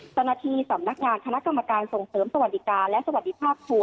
เจ้าหน้าที่สำนักงานคณะกรรมการส่งเสริมสวัสดิการและสวัสดีภาพครู